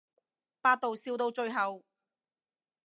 百度笑到最後